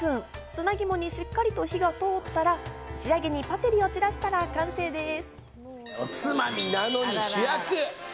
砂肝にしっかりと火が通ったら、仕上げにパセリを散らしたら完成です。